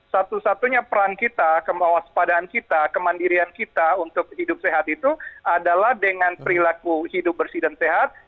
satu satunya peran kita kemawaspadaan kita kemandirian kita untuk hidup sehat itu adalah dengan perilaku hidup bersih dan sehat